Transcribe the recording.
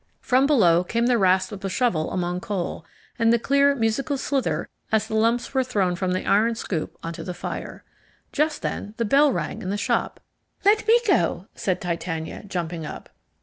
From below came the rasp of a shovel among coal, and the clear, musical slither as the lumps were thrown from the iron scoop onto the fire. Just then the bell rang in the shop. "Let me go," said Titania, jumping up.